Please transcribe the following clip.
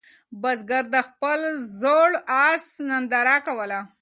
بزګر د خپل زوړ آس ننداره کوله.